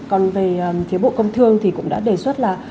còn về phía bộ công thương thì cũng đã đề xuất là